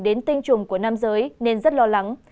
đến tinh trùng của nam giới nên rất lo lắng